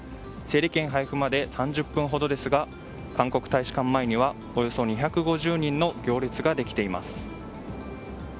整理券配布まで３０分ほどですが韓国大使館前にはおよそ２５０人の行列ができています。